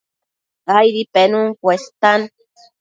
Aidi penun cuestan